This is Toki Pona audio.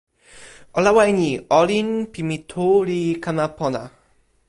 o lawa e ni: olin pi mi tu li kama pona.